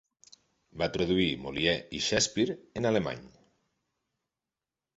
Va traduir Molière i Shakespeare en alemany.